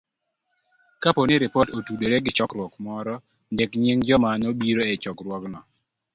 Kapo ni ripot otudore gi chokruok moro, ndik nying joma nobiro e chokruogno.